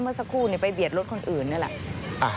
เมื่อสักครู่ไปเบียดรถคนอื่นนี่แหละ